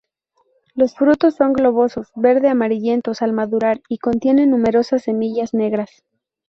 Sus frutos son globosos, verde amarillentos al madurar y contienen numerosas semillas negras.